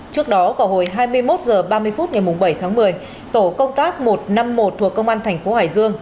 trước đó vào hồi hai mươi một h ba mươi phút ngày bảy tháng một mươi tổ công tác một trăm năm mươi một thuộc công an thành phố hải dương